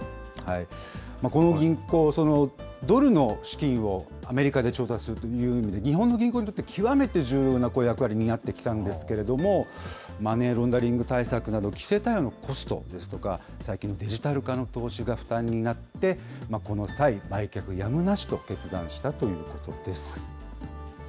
この銀行、ドルの資金をアメリカで調達するというんで、日本の銀行にとって極めて重要な役割を担ってきたんですけれども、マネーロンダリング対策など、規制対応のコストですとか、最近、デジタル化の投資が負担になって、この際、売却やむなしと決断したということです。